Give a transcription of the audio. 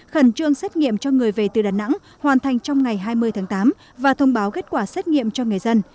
khẩn trương xét nghiệm cho người về từ đà nẵng hoàn thành trong ngày hai mươi tháng tám và thông báo kết quả xét nghiệm cho người dân